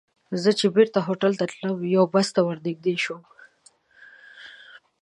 زه چې بېرته هوټل ته تلم، یوه بس ته ور نږدې شوم.